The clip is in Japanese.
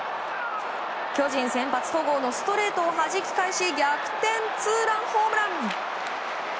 巨人先発、戸郷のストレートをはじき返し逆転ツーランホームラン。